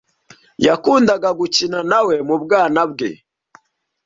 Yakundaga gukina na we mu bwana bwe.